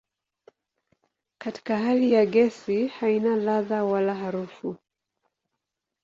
Katika hali ya gesi haina ladha wala harufu.